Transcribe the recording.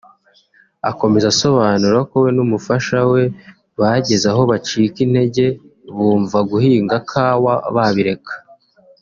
Akomeza asobanura ko we n’umufasha we bageze aho bacika intege bumva guhinga kawa babireka